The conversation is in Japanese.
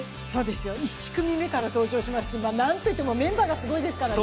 １組目から登場しますし、なんといってもメンバーがすごいですから。